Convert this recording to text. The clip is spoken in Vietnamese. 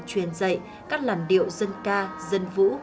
truyền dạy các làn điệu dân ca dân vũ